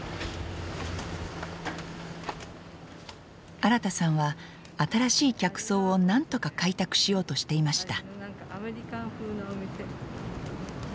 新さんは新しい客層をなんとか開拓しようとしていました。